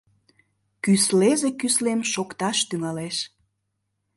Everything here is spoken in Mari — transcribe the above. Кӱслезе кӱслем шокташ тӱҥалеш.